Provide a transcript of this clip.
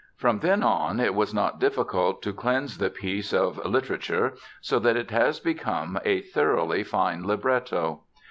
From then on it was not difficult to cleanse the piece of 'literature', so that it has become a thoroughly fine libretto!